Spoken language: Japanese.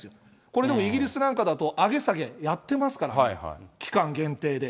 これ、でもイギリスなんかだと、上げ下げやってますから、期間限定で。